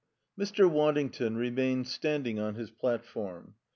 3 Mr. Waddington remained standing on his platform.